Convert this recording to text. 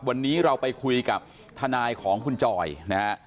วันนี้เราไปคุยกับทนายของคุณจอยนะฮะ